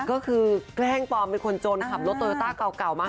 ก็คือแกล้งปลอมเป็นคนจนขับรถโตโยต้าเก่ามา